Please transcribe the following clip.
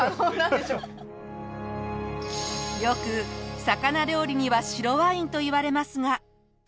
よく魚料理には白ワインといわれますが。